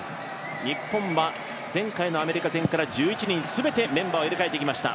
日本は前回のアメリカ戦から１１人全てメンバーを入れ替えてきました。